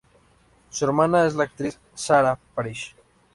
Su hermana es la actriz Sarah Parish.